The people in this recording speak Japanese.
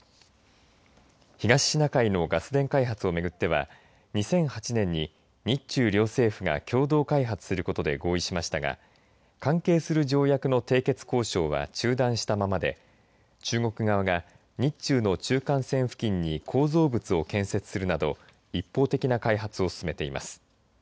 東シナ海のガス田開発を巡っては２００８年に日中両政府が共同開発することで合意しましたが関係する条約の締結交渉は中断したままで中国側が日中の中間線付近に構造物を建設するなど一方的な開発を進めています。